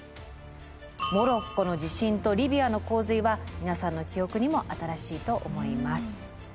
モロッコの地震とリビアの洪水は皆さんの記憶にも新しいと思います。